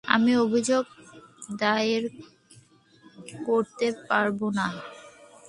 আমি অভিযোগ দায়ের করতে পারব না।